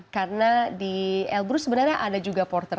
karena di elbrus sebenarnya ada juga porter